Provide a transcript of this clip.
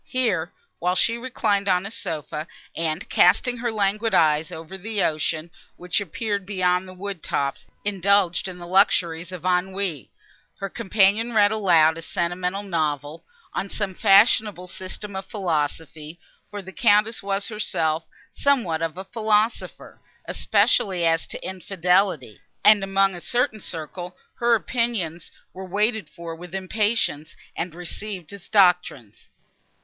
Here, while she reclined on a sofa, and, casting her languid eyes over the ocean, which appeared beyond the wood tops, indulged in the luxuries of ennui, her companion read aloud a sentimental novel, on some fashionable system of philosophy, for the Countess was herself somewhat of a philosopher, especially as to infidelity, and among a certain circle her opinions were waited for with impatience, and received as doctrines.